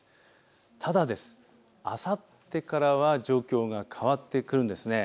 ただあさってからは状況が変わってくるんです。